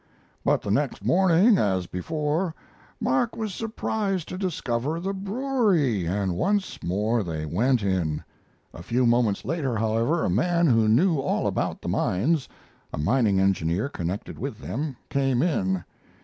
But the next morning, as before, Mark was surprised to discover the brewery, and once more they went in. A few moments later, however, a man who knew all about the mines a mining engineer connected with them came in.